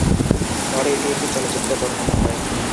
পরে এটি একটি চলচ্চিত্রে পরিণত হয়।